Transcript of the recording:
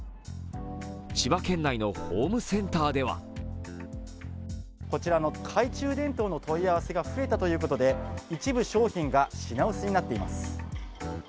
千葉県内のホームセンターではこちら懐中電灯の問い合わせが増えたということで一部商品が品薄になっています。